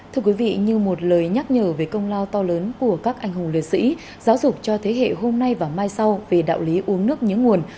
thưa quý vị như một lời nhắc nhở về công lao to lớn của các anh hùng liệt sĩ giáo dục cho thế hệ hôm nay và mai sau về đạo lý uống nước nhớ nguồn